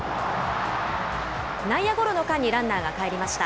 内野ゴロの間にランナーがかえりました。